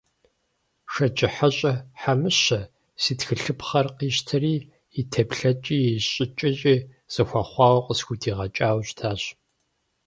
ШэджыхьэщӀэ Хьэмыщэ си тхылъыпхъэр къищтэри, и теплъэкӀи, и щӀыкӀэкӀи зэхуэхъуауэ къысхудигъэкӀауэ щытащ.